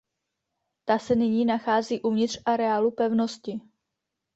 Ta se nyní nachází uvnitř areálu pevnosti.